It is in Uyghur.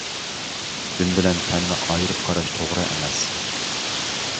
دىن بىلەن پەننى ئايرىپ قاراش توغرا ئەمەس.